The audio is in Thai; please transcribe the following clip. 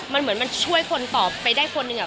มันเหมือนมันช่วยคนต่อไปได้คนหนึ่ง